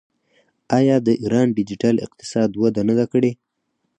آیا د ایران ډیجیټل اقتصاد وده نه ده کړې؟